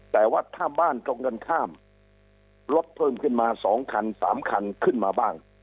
แต่ว่าถ้าบ้านตรงกันข้ามรถเพิ่มขึ้นมา๒คัน๓คันขึ้นมาบ้าง